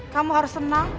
kamu harus senang